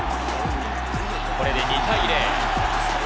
これで２対０。